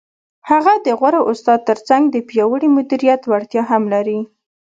هغه د غوره استاد تر څنګ د پیاوړي مدیریت وړتیا هم لري.